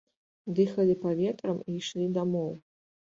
Дыхалі паветрам і ішлі дамоў.